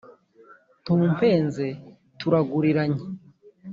ntumpenze turaguriranye.